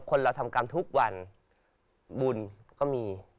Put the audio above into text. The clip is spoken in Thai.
คนเราทำกรรมทุกวันบุญก็มี